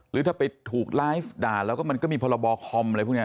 หรือถ้าไปถูกไลฟ์ด่าแล้วก็มันก็มีพรบคอมอะไรพวกนี้